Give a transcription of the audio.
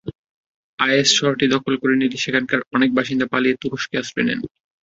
Is শহরটি দখল করে নিলে সেখানকার অনেক বাসিন্দা পালিয়ে তুরস্কে আশ্রয় নেন।